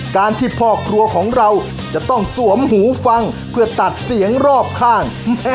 การที่พ่อครัวของเราจะต้องสวมหูฟังเพื่อตัดเสียงรอบข้าง